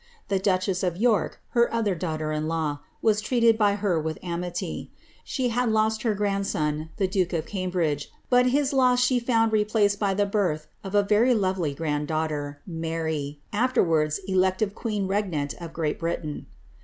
The duchess of York, her other daughter in law, ii as treated by hff . with amity; she had lost her grandson the duke of Cambridge, but hii loss she found replaced by the birth of a very lovely grand daughttr, Mary, afterwards elective queen regnant of Great Britain.